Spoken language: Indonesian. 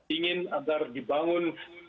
ingin agar dibangun